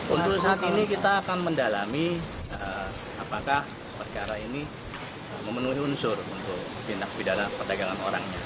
untuk saat ini kita akan mendalami apakah perkara ini memenuhi unsur untuk tindak pidana perdagangan orangnya